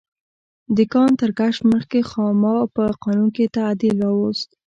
د کان تر کشف مخکې خاما په قانون کې تعدیل راوست.